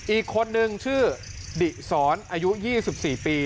อีกคนนึงชื่อดิสรอายุ๒๔ปี